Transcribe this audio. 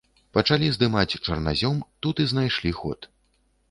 Пачалі здымаць чарназём, тут і знайшлі ход.